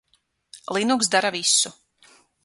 Linux dara visu.